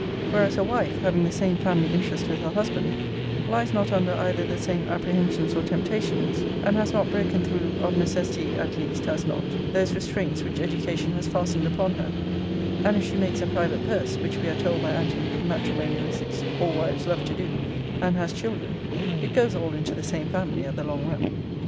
Whereas a wife, having the same family interest with her husband, lies not under either the same apprehensions or temptations; and has not broken through (of necessity, at least, has not) those restraints which education has fastened upon her: and if she makes a private purse, which we are told by anti matrimonialists, all wives love to do, and has children, it goes all into the same family at the long run.